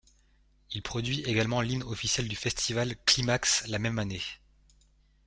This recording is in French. Il produit également l'hymne officiel du festival Qlimax la même année.